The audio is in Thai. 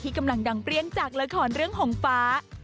กำลังดังเปรี้ยงจากละครเรื่องหงฟ้า